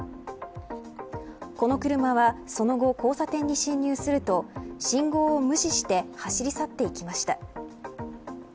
この車はその後、交差点に進入すると信号を無視して走り去っていきました。